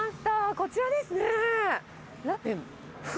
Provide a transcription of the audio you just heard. こちらですね。